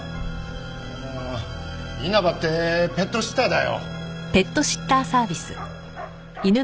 あの稲葉ってペットシッターだよ！